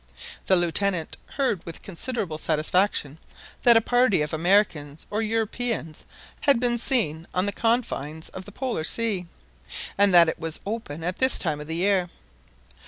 The Lieutenant heard with considerable satisfaction that a party of Americans or Europeans had been seen on the confines of the Polar Sea, and that it was open at this time of year.